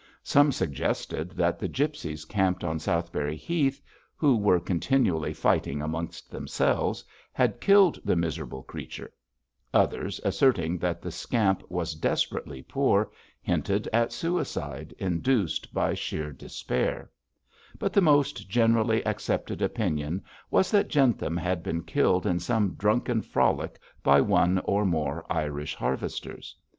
Some suggested that the gipsies camped on Southberry Heath, who were continually fighting amongst themselves, had killed the miserable creature; others, asserting that the scamp was desperately poor, hinted at suicide induced by sheer despair; but the most generally accepted opinion was that Jentham had been killed in some drunken frolic by one or more Irish harvesters.